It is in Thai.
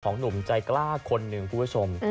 ของหนุ่มใจกล้าคนหนึ่งผู้ชม